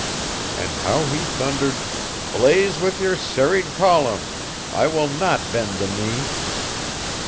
And how he thundered "Blaze with your serried columns, I will not bend the knee!"